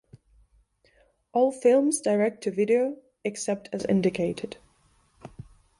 All films direct to video, except as indicated.